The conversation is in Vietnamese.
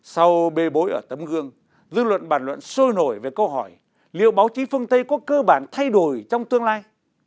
sau bê bối ở tấm gương dư luận bàn luận sôi nổi về câu hỏi liệu báo chí phương tây có cơ bản thay đổi trong tương lai